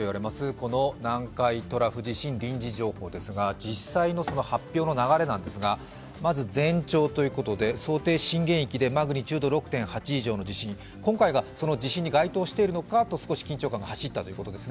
この南海トラフ地震臨時情報ですが、実際の発表の流れなんですが、まず前兆ということで想定震源域でマグニチュード６．８以上の地震今回がその地震に該当しているのかと少し緊張感が走ったわけです。